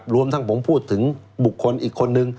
รวมทั้งผมพูดถึงบุคคลอีกคนนึง